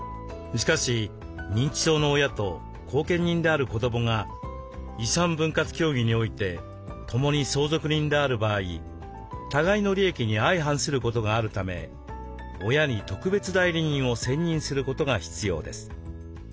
しかし認知症の親と後見人である子どもが遺産分割協議において共に相続人である場合互いの利益に相反することがあるため親に特別代理人を選任することが必要です。